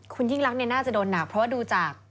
คุณยิ่งรักน่าจะโดนหนักเพราะว่าดูจาก